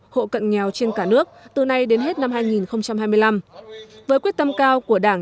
hộ cận nghèo trên cả nước từ nay đến hết năm hai nghìn hai mươi năm với quyết tâm cao của đảng